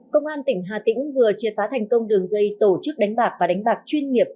công an tỉnh hà tĩnh vừa triệt phá thành công đường dây tổ chức đánh bạc và đánh bạc chuyên nghiệp